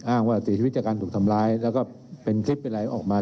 ว่าเสียชีวิตจากการถูกทำร้ายแล้วก็เป็นคลิปเป็นอะไรออกมา